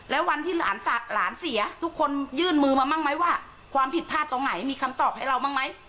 แล้ววันที่หลานเสียทุกคนยื่นมือมาบ้างไหมว่าความผิดพลาดตรงไหนมีคำตอบให้เราบ้างไหม